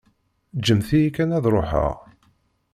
Ǧǧemt-iyi kan ad ṛuḥeɣ.